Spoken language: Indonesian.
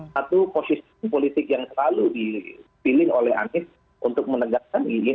satu posisi politik yang selalu dipilih oleh anies untuk menegakkan ingin